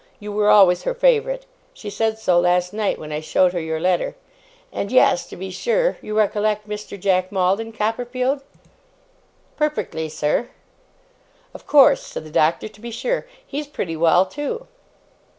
You were always her favourite. She said so, last night, when I showed her your letter. And yes, to be sure you recollect Mr. Jack Maldon, Copperfield?' 'Perfectly, sir.' 'Of course,' said the Doctor. 'To be sure. He's pretty well, too.